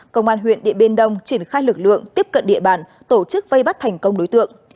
công an huyện điện biên đông triển khai lực lượng tiếp cận địa bàn tổ chức vây bắt thành công đối tượng